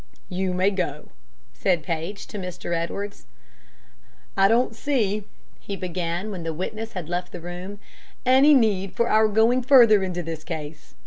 "You may go," said Paige to Mr. Edwards. "I don't see," he began, when the witness had left the room, "any need for our going further into this case.